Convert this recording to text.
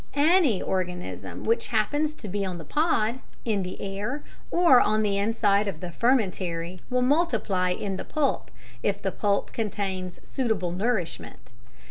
Any organism which happens to be on the pod, in the air, or on the inside of the fermentary will multiply in the pulp, if the pulp contains suitable nourishment.